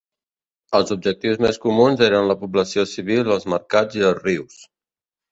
Els objectius més comuns eren la població civil, els mercats i els rius.